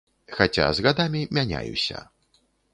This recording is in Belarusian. Хаця з гадамі мяняюся.